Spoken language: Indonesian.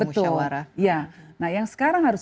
betul nah yang sekarang harus